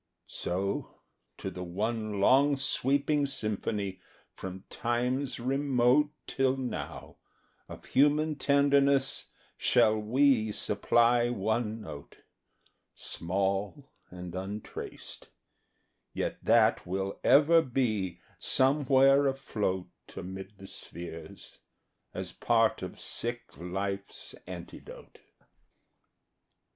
So, to the one long sweeping symphony From times remote Till now, of human tenderness, shall we Supply one note, Small and untraced, yet that will ever be Somewhere afloat Amid the spheres, as part of sick Life's antidote.